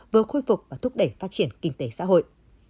vừa khôi phục và thúc đẩy phát triển kinh tế xã hội